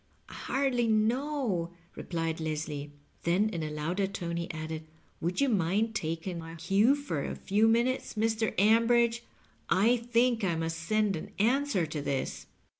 "I hardly know," replied Leslie. Then in a louder tone he added, "Would you mind taking my cue for a few minutes, Mr. Ambridge ? I think I must send an answer to this."